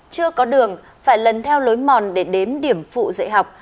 chưa có đường phải lần theo lối mòn để đến điểm phụ dạy học